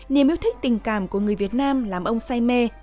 niềm yêu thích tình cảm của người việt nam làm ông say mê